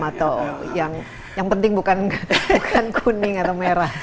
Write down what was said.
atau yang penting bukan kuning atau merah